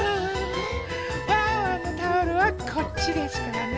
ワンワンのタオルはこっちですからね。